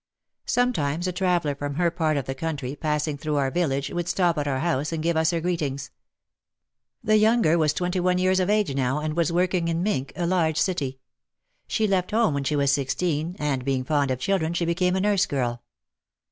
Sometimes a traveller from her part of the country, passing through our village, would stop at our house and give us her greetings. The younger was twenty one years of age now and was working in Mintck, a large city. She left home when she was sixteen and being fond of children she became a nurse girl.